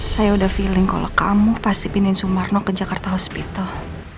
saya udah feeling kalau kamu pasti pindahin sumarno ke jakarta hospital